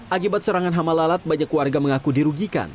akibat serangan hama lalat banyak warga mengaku dirugikan